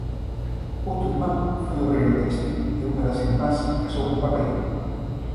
Outro irmán foi obreiro téxtil e unha das irmás casou cun barbeiro.